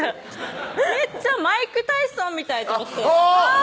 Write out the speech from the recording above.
めっちゃマイク・タイソンみたいと思ってあぁっ！